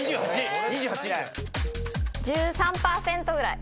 １３％ぐらい。